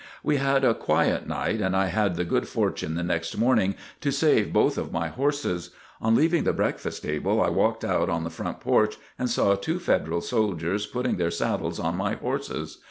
We had a quiet night and I had the good fortune the next morning to save both of my horses. On leaving the breakfast table, I walked out on the front porch, and saw two Federal soldiers putting their saddles on my horses.